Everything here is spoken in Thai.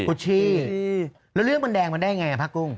ชี่แล้วเรื่องมันแดงมันได้ยังไงผ้ากุ้ง